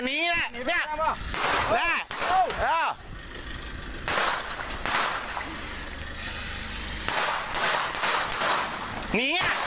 นี่นี่แหละนี่